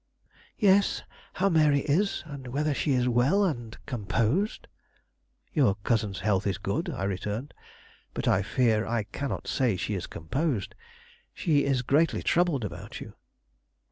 "Yes, how Mary is; whether she is well, and and composed." "Your cousin's health is good," I returned; "but I fear I cannot say she is composed. She is greatly troubled about you."